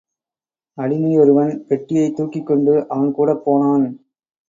அடிமையொருவன், பெட்டியைத் தூக்கிக் கொண்டு அவன் கூடப் போனான்.